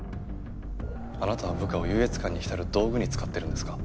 あなたは部下を優越感に浸る道具に使っているんですか？